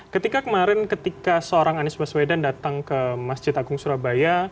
ketika kemarin ketika seorang anies baswedan datang ke masjid agung surabaya